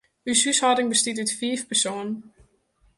Us húshâlding bestiet út fiif persoanen.